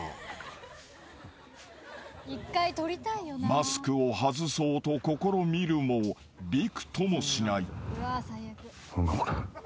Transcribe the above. ［マスクを外そうと試みるもびくともしない］